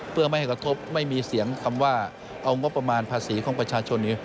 เพื่อไม่ให้กระทบไม่มีเสียงคำว่าเอางบประมาณภาษีของประชาชน